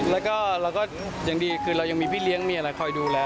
แล้วก็เราก็อย่างดีคือเรายังมีพี่เลี้ยงมีอะไรคอยดูแล